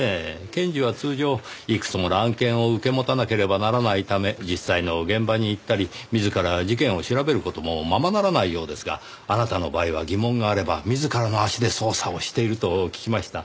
検事は通常いくつもの案件を受け持たなければならないため実際の現場に行ったり自ら事件を調べる事もままならないようですがあなたの場合は疑問があれば自らの足で捜査をしていると聞きました。